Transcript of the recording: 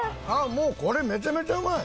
もうこれめちゃめちゃうまい。